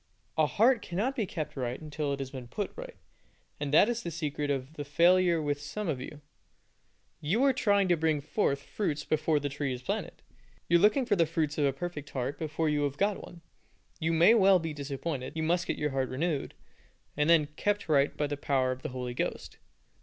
A heart cannot be kept right until it has been put right, and that is the secret of the failure with some of you. You are trying to bring forth fruits before the tree is planted. You are looking for the fruits of a perfect heart before you have got one. You may well be disappointed. You must get your heart renewed, and then kept right by the power of the Holy Ghost.